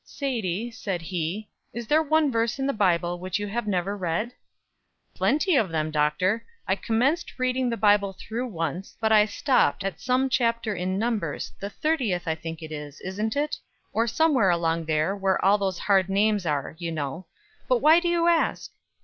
"Sadie," said he, "is there one verse in the Bible which you have never read?" "Plenty of them, Doctor. I commenced reading the Bible through once; but I stopped at some chapter in Numbers the thirtieth, I think it is, isn't it? or somewhere along there where all those hard names are, you know. But why do you ask?"